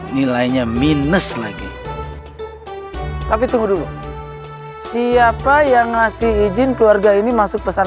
nilainya minus lagi tapi tunggu dulu siapa yang ngasih izin keluarga ini masuk pesan